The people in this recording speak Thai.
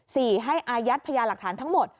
ให้อายัดพยานหลักฐานทั้งหมด